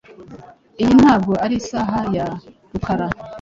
Iyi ntabwo ari isaha ya Rukara .